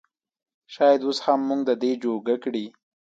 شايد اوس هم مونږ د دې جوګه کړي